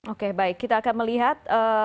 oke baik kita akan melihat